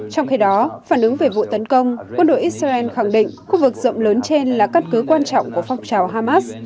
trong khi đó phản ứng về vụ tấn công quân đội israel khẳng định khu vực rộng lớn trên là cắt cứu quan trọng của phong trào hamas